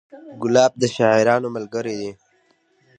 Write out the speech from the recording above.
ګلاب د شاعرانو ملګری دی.